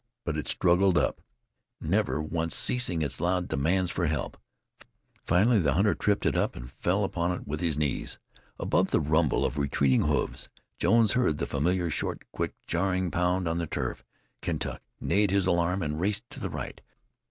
But it struggled up, never once ceasing its loud demands for help. Finally the hunter tripped it up and fell upon it with his knees. Above the rumble of retreating hoofs, Jones heard the familiar short, quick, jarring pound on the turf. Kentuck neighed his alarm and raced to the right.